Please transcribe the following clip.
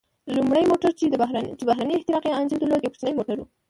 لومړی موټر چې بهرنی احتراقي انجن درلود، یو کوچنی موټر و.